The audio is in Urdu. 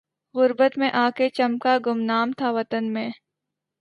غربت میں آ کے چمکا گمنام تھا وطن میں